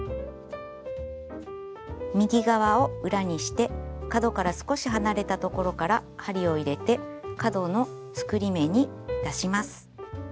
右側を裏にして角から少し離れたところから針を入れて角の作り目に出します。